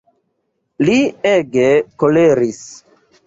Li ege koleris.